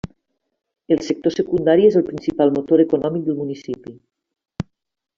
El sector secundari és el principal motor econòmic del municipi.